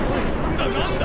何だ？